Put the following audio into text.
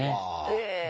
ええ。